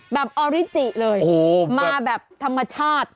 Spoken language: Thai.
ออริจิเลยมาแบบธรรมชาติ